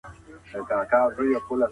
استازي کله خپلو سیمو ته ځي؟